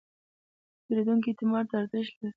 د پیرودونکي اعتماد ارزښت لري.